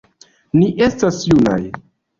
Ni estas junaj.